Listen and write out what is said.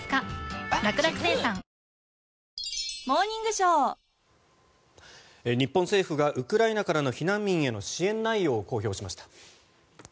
日本政府がウクライナからの避難民への支援内容を公開しました。